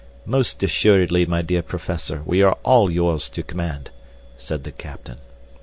"Most assuredly, my dear Professor, we are all yours to command," said the captain.